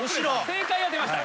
正解は出ました。